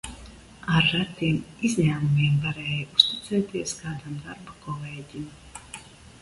Ar retiem izņēmumiem varēja uzticēties kādam darba kolēģim.